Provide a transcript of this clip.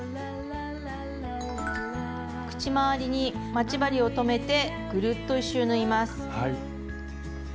口周りに待ち針を留めてぐるっと１周縫います。